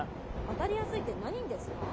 あたりやすいって何にですか？